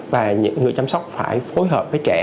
và người chăm sóc phải phối hợp với trẻ